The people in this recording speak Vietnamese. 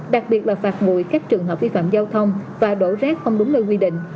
đặc biệt là phạt nguội các trường hợp vi phạm giao thông và đổ rác không đúng nơi quy định